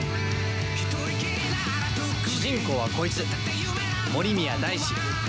主人公はこいつ森宮大志。